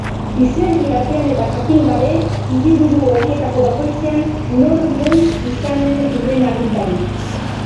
Izerdi artean eta jakin gabe hiriburu horietako bakoitzean nor noiz izanen den agintari.